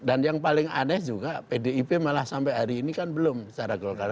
dan yang paling aneh juga pdip malah sampai hari ini kan belum secara golkar